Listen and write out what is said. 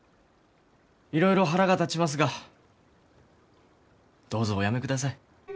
いろいろ腹が立ちますがどうぞお辞めください。